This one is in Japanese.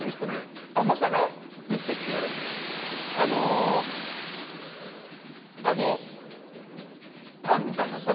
甘さがグッときてあのパンみたいな感じ。